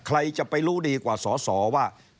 ใครจะไปรู้ดีกว่าสอสอว่า